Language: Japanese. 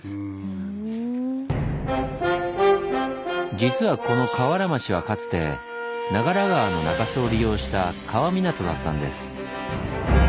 実はこの川原町はかつて長良川の中州を利用した川港だったんです。